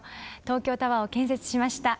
東京タワーを建設しました